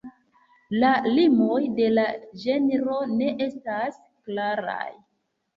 La limoj de la ĝenro ne estas klaraj.